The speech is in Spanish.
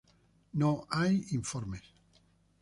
No hay reportes.